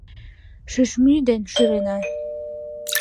Шӱшмӱй дене шӱрена.